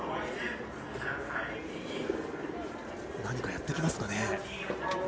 何かやってきますかね。